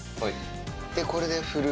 で、これで振る。